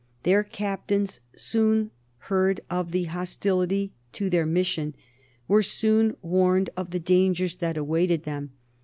Their captains soon heard of the hostility to their mission, were soon warned of the dangers that awaited them.